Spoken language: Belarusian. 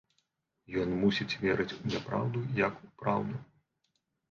Ён мусіць верыць у няпраўду як у праўду.